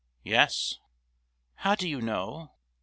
"Yes." "How do you know?"